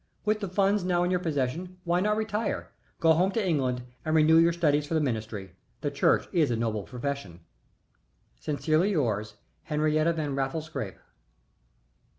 With the funds now in your possession why not retire go home to England and renew your studies for the ministry? The Church is a noble profession. Sincerely yours, HENRIETTE VAN RAFFLES SCRAPPE.